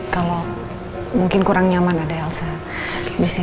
kalau mungkin kurang nyaman ada elsa di sini